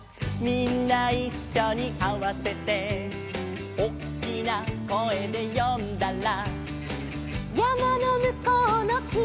「みんないっしょにあわせて」「おっきな声で呼んだら」